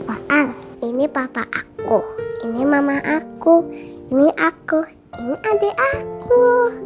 oh al ini papa aku ini mama aku ini aku ini adek aku